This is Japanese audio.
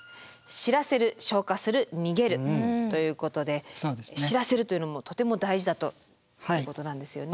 知らせる消火する逃げるということで知らせるというのもとても大事だということなんですよね。